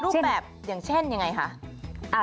สวัสดีค่ะ